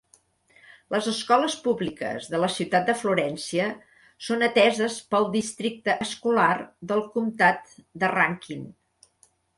Les escoles públiques de la ciutat de Florència són ateses pel Districte Escolar del Comtat de Rankin.